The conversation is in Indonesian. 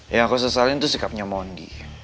yang aku sesalin itu sikapnya mondi